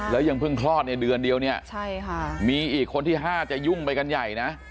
แล้วยังเพิ่งคลอดในเดือนเดียวเนี่ยใช่ค่ะมีอีกคนที่๕จะยุ่งไปกันใหญ่นะ